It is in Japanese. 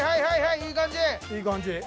いい感じ。